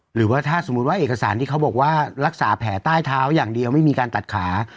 หรือว่าถ้าสมมุติว่าเอกสารที่เขาบอกว่ารักษาแผลใต้เท้าอย่างเดียวไม่มีการตัดขา